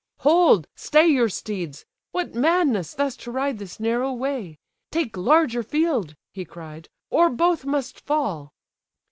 "Hold, stay your steeds—What madness thus to ride This narrow way! take larger field (he cried), Or both must fall."